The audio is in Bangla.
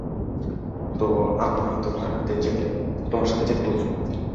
তো, আমায় তোমার সাথে যেতে বলছো।